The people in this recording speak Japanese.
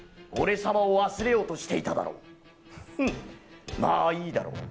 俺様を忘れようとしていただろ、まあいいだろう。